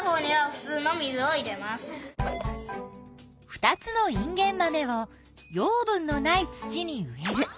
２つのインゲンマメを養分のない土に植える。